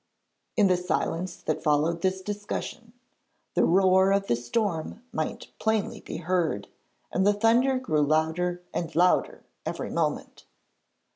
In the silence that followed this discussion, the roar of the storm might plainly be heard, and the thunder grew louder and louder every moment.